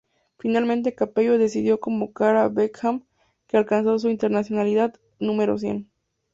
Finalmente Capello decidió convocar a Beckham, que alcanzó su internacionalidad número cien.